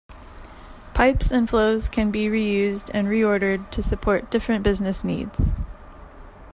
Pipes and flows can be reused and reordered to support different business needs.